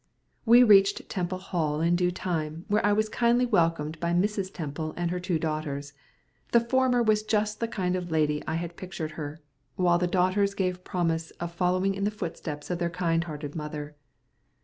We reached Temple Hall in due time, where I was kindly welcomed by Mrs. Temple and her two daughters. The former was just the kind of lady I had pictured her, while the daughters gave promise of following in the footsteps of their kind hearted mother.